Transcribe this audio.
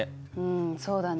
んそうだね。